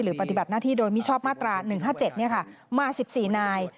ปฏิบัติหน้าที่โดยมิชอบมาตรา๑๕๗มา๑๔นาย